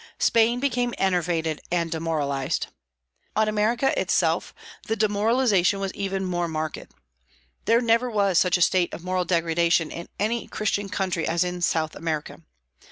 Spain became enervated and demoralized. On America itself the demoralization was even more marked. There never was such a state of moral degradation in any Christian country as in South America.